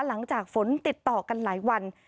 หลังจากฝนติดต่อกันหลายวัน